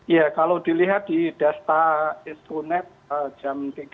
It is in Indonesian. ya kalau dilihat di dasar instrument jam tiga tadi